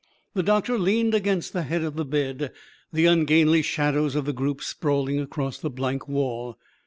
The doctor leaned against the head of the bed, the ungainly shadows of the group sprawling across the blank wall.